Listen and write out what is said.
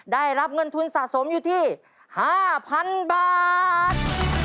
ได้รับเงินทุนสะสมอยู่ที่๕๐๐๐บาท